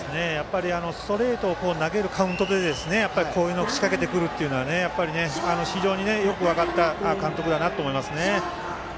ストレートを投げるカウントで攻撃を仕掛けてくるというのはやっぱり、非常によく分かった監督だなと思います。